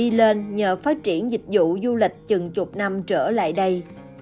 hòn đảo xinh đẹp này đi lên nhờ phát triển dịch vụ du lịch chừng chục năm trở lại đây